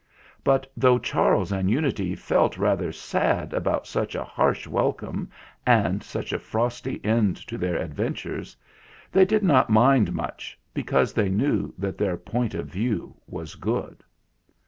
But though Charles and Unity felt rather sad about such a harsh welcome and such a frosty end to their adventures, they did not mind much, because they knew that their Point of View was good.